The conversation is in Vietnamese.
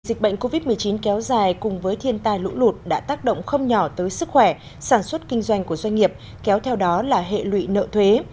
dịch bệnh covid một mươi chín kéo dài cùng với thiên tai lũ lụt đã tác động không nhỏ tới sức khỏe sản xuất kinh doanh của doanh nghiệp kéo theo đó là hệ lụy nợ thuế